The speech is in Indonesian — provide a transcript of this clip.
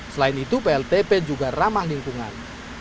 selain itu pltp juga ramah lingkungan